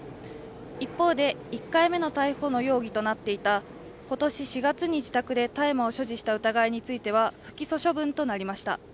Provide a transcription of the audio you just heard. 一方で１回目の逮捕の容疑となっていた今年４月に自宅で大麻を所持した疑いについては不起訴処分となりました。